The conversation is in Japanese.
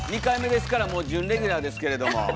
２回目ですからもう準レギュラーですけれども。